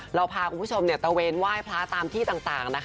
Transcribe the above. เราพาคุณผู้ชมตะเวนไหว้พระตามที่ต่างนะคะ